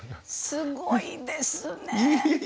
すごいですね。